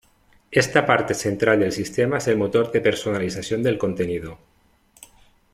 Esta parte central del sistema es el motor de personalización del contenido.